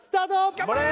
頑張れ！